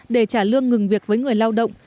để trả lương ngừng việc với người lao động